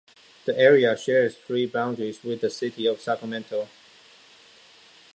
The area shares three boundaries with the City of Sacramento.